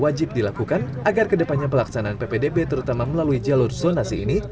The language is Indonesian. wajib dilakukan agar kedepannya pelaksanaan ppdb terutama melalui jalur zonasi ini